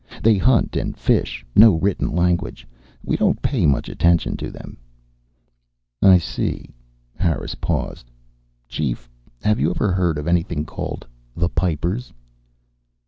They hunt and fish. No written language. We don't pay much attention to them." "I see." Harris paused. "Chief, have you ever heard of anything called The Pipers?"